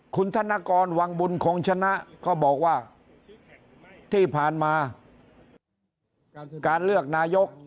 คุณธนกรวังบุญคงชนะก็บอกว่าที่ผ่านมาการเลือกนายก